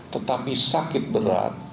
tetapi sakit berat